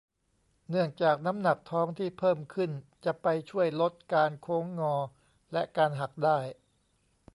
เนื่องจากน้ำหนักทองที่เพิ่มขึ้นจะไปช่วยลดการโค้งงอและการหักได้